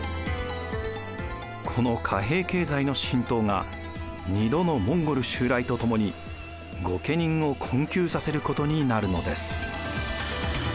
この貨幣経済の浸透が２度のモンゴル襲来とともに御家人を困窮させることになるのです。